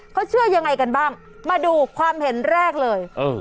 เขาเชื่อยังไงกันบ้างมาดูความเห็นแรกเลยเออ